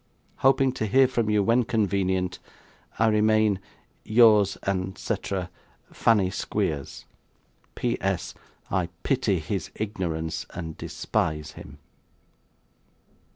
Hoping to hear from you when convenient 'I remain 'Yours and cetrer 'FANNY SQUEERS. 'P.S. I pity his ignorance and despise him.